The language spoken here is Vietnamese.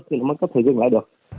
thì nó mới có thể tăng hơn nhiều